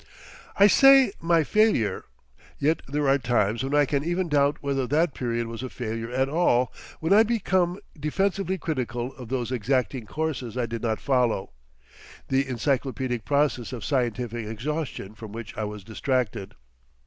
I say "my failure." Yet there are times when I can even doubt whether that period was a failure at all, when I become defensively critical of those exacting courses I did not follow, the encyclopaedic process of scientific exhaustion from which I was distracted.